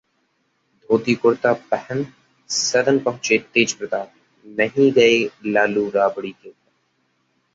धोती कुर्ता पहन सदन पहुंचे तेज प्रताप, नहीं गए लालू-राबड़ी के घर